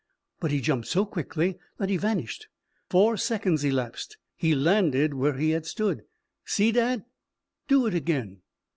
But he jumped so quickly that he vanished. Four seconds elapsed. He landed where he had stood. "See, dad?" "Do it again."